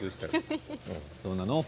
どうなの？